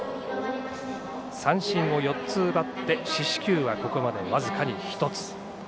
三振を４つ奪って四死球はここまで僅かに１つ。